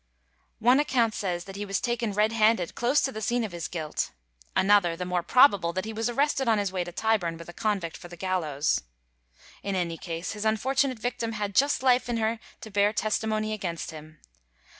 One account says that he was taken red handed close to the scene of his guilt; another, the more probable, that he was arrested on his way to Tyburn with a convict for the gallows. In any case his unfortunate victim had just life left in her to bear testimony against him.